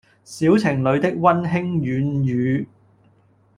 小情侶的溫馨軟語